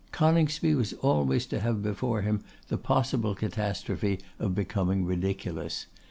Coningsby was always to have before him the possible catastrophe of becoming ridiculous.